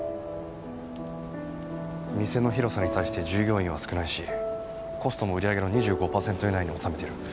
店の広さに対して従業員は少ないしコストも売り上げの２５パーセント以内に収めてる。